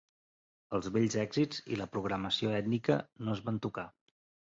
Els vells èxits i la programació ètnica no es van tocar.